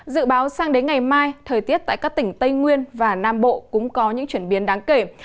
dự báo sang đến ngày mai thời tiết tại các tỉnh tây nguyên và nam bộ cũng có những chuyển biến đáng kể